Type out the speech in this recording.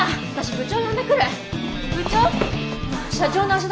部長！